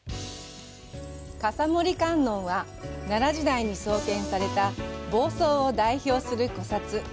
笠森観音は、奈良時代に創建された房総を代表する古刹。